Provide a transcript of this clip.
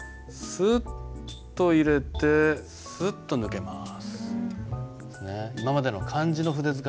スッと入ってスッと抜けます。